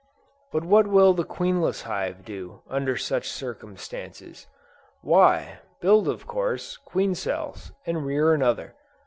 But what will the queenless hive do, under such circumstances? Why, build of course, queen cells, and rear another.